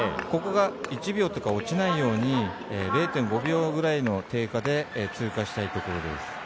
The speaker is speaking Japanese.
ここが１秒とか落ちないように０．５秒ぐらいの低下で通過したいところです。